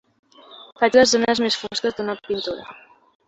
Faig les zones més fosques d'una pintura.